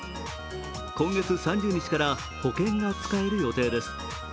今月３０日から保険が使える予定です。